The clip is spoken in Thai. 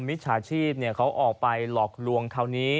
มิจฉาชีพเขาออกไปหลอกลวงคราวนี้